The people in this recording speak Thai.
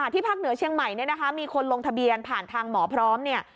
ที่ภาคเหนือเชียงใหม่มีคนลงทะเบียนผ่านทางหมอพร้อม